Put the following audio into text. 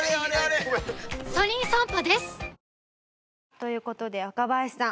という事で若林さん